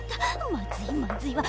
まずいまずいわ。